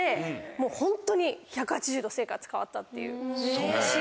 もうホントに１８０度生活変わったっていう。